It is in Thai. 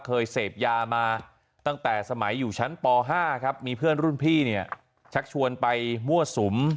เคยเสพยามาตั้งแต่สมัยอยู่ชั้นป๕ครับมีเพื่อนรุ่นพี่เนี่ยชักชวนไปมั่วสุม